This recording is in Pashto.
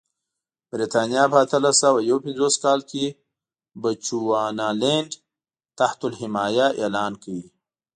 برېټانیا په اتلس سوه یو پنځوس کال کې بچوانالنډ تحت الحیه اعلان کړ.